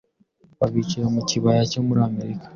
babicira mu kibaya cyo muri Amerika,